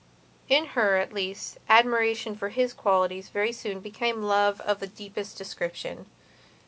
In her, at least, admiration for his qualities very soon became love of the deepest description.